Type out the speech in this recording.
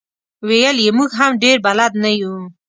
ویل یې موږ هم ډېر بلد نه یو.